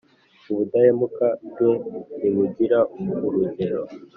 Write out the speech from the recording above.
ubudahemuka bwe ntibugira urugero!